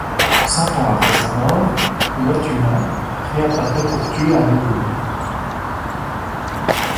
Cent ans après sa mort, Watuma réapparait pour tuer à nouveau.